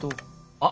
あっ！